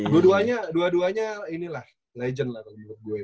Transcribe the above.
dua duanya dua duanya inilah legend lah kalau menurut gue